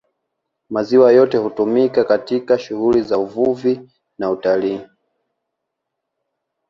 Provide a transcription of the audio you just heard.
Maziwa yote hutumika katika shughuli za Uvuvi na Utalii